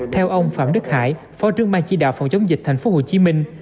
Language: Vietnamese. theo ông phạm đức hải phó trương bang chỉ đạo phòng chống dịch thành phố hồ chí minh